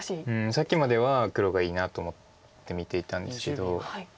さっきまでは黒がいいなと思って見ていたんですけど。